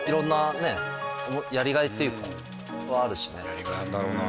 やりがいあるだろうな。